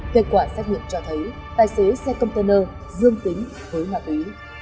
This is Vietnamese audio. kết quả xét nghiệm cho thấy tài xế xe container dương tính với nga tư ý